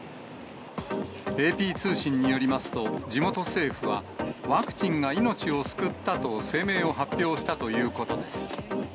ＡＰ通信によりますと、地元政府は、ワクチンが命を救ったと声明を発表したということです。